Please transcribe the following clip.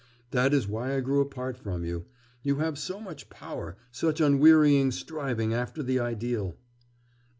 That is why I grew apart from you.... You have so much power, such unwearying striving after the ideal.